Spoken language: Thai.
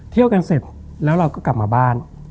เที่ยวกันเสร็จแล้วเราก็กลับมาบ้าน